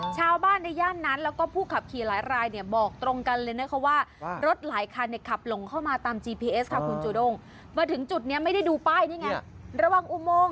อ๋อชาวบ้านบอกอยากให้มีไม้กั้น